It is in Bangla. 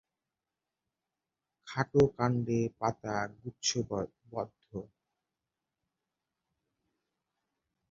খাটো কান্ডে পাতা গুচ্ছবদ্ধ।